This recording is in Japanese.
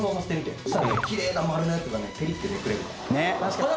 そしたらキレイな丸のやつがペリってめくれるから。